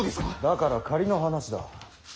だから仮の話だ。